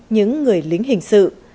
những người lính hình sự